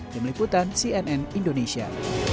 demikian cnn indonesia